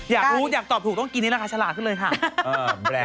อยากรู้จะตอบถูกต้องกินนี่นะคะฉลาดขึ้นเลยค่ะ